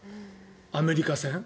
アメリカ戦。